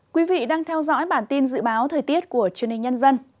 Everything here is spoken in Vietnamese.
quý vị đang theo dõi bản tin dự báo thời tiết của truyền hình nhân dân